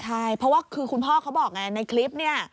ใช่เพราะว่าคือคุณพ่อเขาบอกไงในคลิปเนี่ย